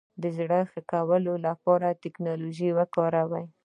د ژوند ښه کولو لپاره ټکنالوژي وکاروئ.